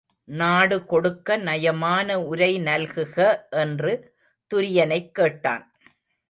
நாடு கொடுக்க நயமான உரை நல்குக என்று துரியனைக் கேட்டான்.